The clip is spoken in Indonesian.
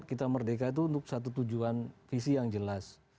kita merdeka itu untuk satu tujuan visi yang jelas